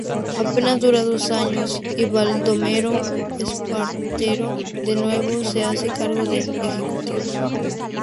Apenas dura dos años y Baldomero Espartero de nuevo se hace cargo del ejecutivo.